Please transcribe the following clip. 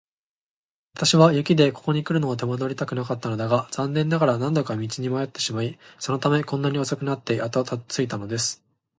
私は雪でここにくるのを手間取りたくなかったのだが、残念ながら何度か道に迷ってしまい、そのためにこんなに遅くなってやっと着いたのです。